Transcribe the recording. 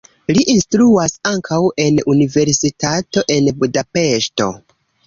Li instruas ankaŭ en universitato en Budapeŝto.